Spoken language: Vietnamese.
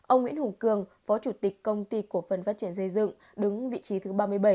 ông nguyễn hùng cường phó chủ tịch công ty cổ phần phát triển xây dựng đứng vị trí thứ ba mươi bảy